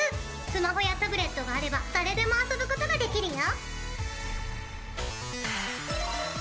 スマホやタブレットがあれば誰でも遊ぶ事ができるよ。